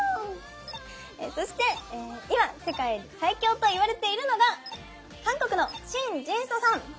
そして今世界最強といわれているのが韓国のシンジンソさん。